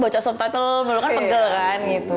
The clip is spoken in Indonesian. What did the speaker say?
baca subtitle melukakan pegel kan gitu